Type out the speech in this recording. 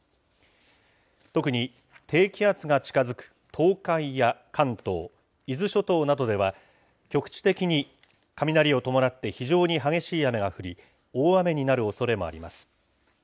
特に、低気圧が近づく東海や関東、伊豆諸島などでは、局地的に雷を伴って、非常に激しい雨が降り、大雨になるおそれもあります。